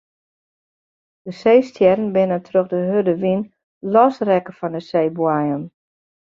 De seestjerren binne troch de hurde wyn losrekke fan de seeboaiem.